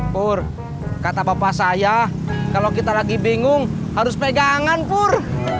pur kata bapak saya kalau kita lagi bingung harus pegangan pur